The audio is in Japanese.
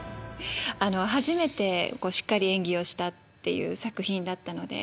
初めてしっかり演技をしたっていう作品だったので。